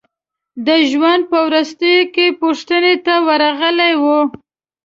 د ژوند په وروستیو کې پوښتنې ته ورغلي وو.